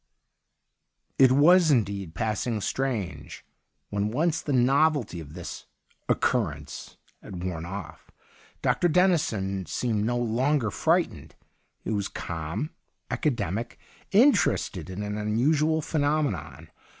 It was, indeed, passing strange. When once the novelty of this — this occurrence had worn off. Dr. Dennison seemed no longer frightened. He was calm, aca demic, interested in an unusual phenomenon.